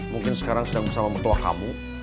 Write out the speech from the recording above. mungkin sekarang sedang bersama metoah kamu